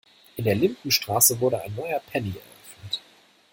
In der Lindenstraße wurde ein neuer Penny eröffnet.